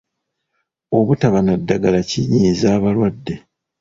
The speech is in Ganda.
Obutaba na ddagala kinyiiza abalwadde.